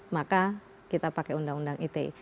maka kita pakai undang undang ite